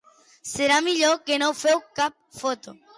Serà millor que no feu cap foto.